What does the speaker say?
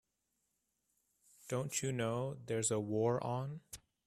Don't you know there's a war on?